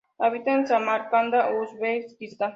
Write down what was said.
Habita en Samarcanda, Uzbekistán.